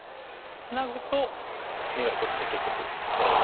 ツナぐと眼が１つで結局取られてしまいますし。